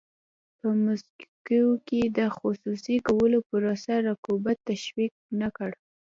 په مکسیکو کې د خصوصي کولو پروسه رقابت تشویق نه کړ.